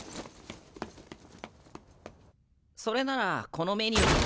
それならこのメニューと。